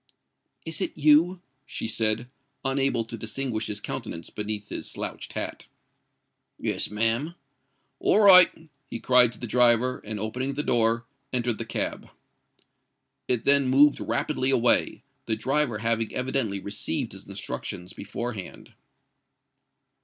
"Is it you?" she said, unable to distinguish his countenance beneath his slouched hat. "Yes, ma'am. All right," he cried to the driver; and, opening the door, entered the cab. It then moved rapidly away—the driver having evidently received his instructions before hand.